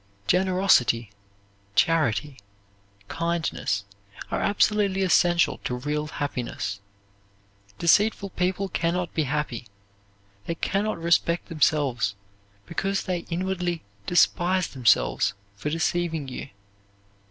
Generosity, charity, kindness are absolutely essential to real happiness. Deceitful people can not be happy; they can not respect themselves because they inwardly despise themselves for deceiving you.